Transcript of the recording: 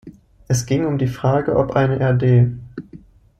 Es ging um die Frage, ob eine rd.